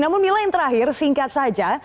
namun mila yang terakhir singkat saja